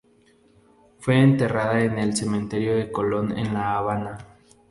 Fue enterrada en el cementerio de Colón en La Habana.